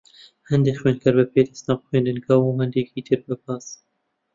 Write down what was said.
هەندێک خوێندکار بە پێ دەچنە خوێندنگە، و هەندێکی تر بە پاس.